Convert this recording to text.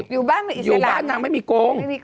อยู่บ้านไม่มีกรง